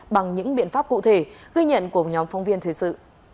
bằng những biện pháp cụ thể ghi nhận của nhóm phóng viên thời sự